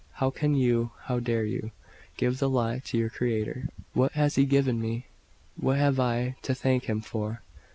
How can you, how dare you, give the lie to your Creator?" "What has He given me? What have I to thank Him for?"